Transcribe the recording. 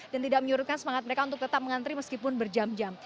dan tidak menyurutkan semangat mereka untuk tetap mengantri meskipun berjam jam